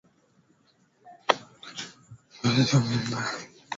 Ngozi huvimba na kujikunjakunja hasa kwenye shingo